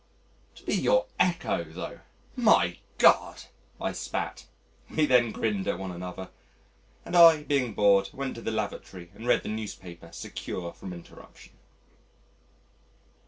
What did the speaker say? To be your Echo tho'! my God!" I spat. We then grinned at one another, and I, being bored, went to the lavatory and read the newspaper secure from interruption.